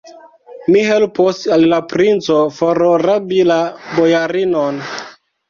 Mi helpos al la princo forrabi la bojarinon.